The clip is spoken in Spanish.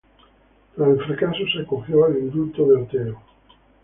Tras el fracaso se acogió al indulto de Oteo.